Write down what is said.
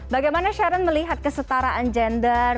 bagaimana sharon melihat kesetaraan gender